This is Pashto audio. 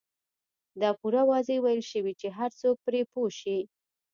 دا پوره واضح ويل شوي چې هر څوک پرې پوه شي.